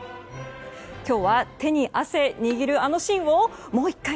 今日は手に汗握るあのシーンをもう１回！